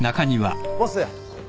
ボス。